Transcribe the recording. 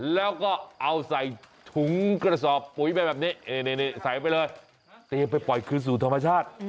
แล้วก็เอาใส่ถุงกระสอบปุ๋ยไปแบบนี้ใส่ไปเลยเตรียมไปปล่อยคืนสู่ธรรมชาติ